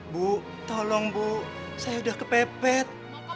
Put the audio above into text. bu tolong bu saya sudah kepepet